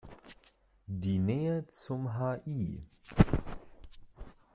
Die Nähe zum Hl.